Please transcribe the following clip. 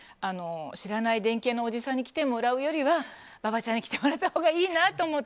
知らない電気屋のおじさんに来てもらうよりは馬場ちゃんに来てもらったほうがいいなって。